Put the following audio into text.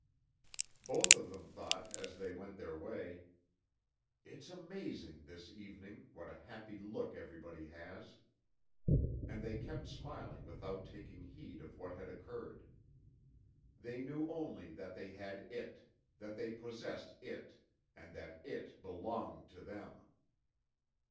Both of them thought, as they went their way: "It's amazing, this evening, what a happy look everybody has!" And they kept smiling without taking heed of what had occurred. They knew only that they had it, that they possessed it and that it belonged to them.